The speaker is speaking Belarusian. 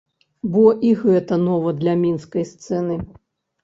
Бо і гэта нова для мінскай сцэны!